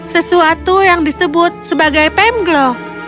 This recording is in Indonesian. sesuatu yang disebut sebagai pemglo